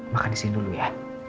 makan disini dulu ya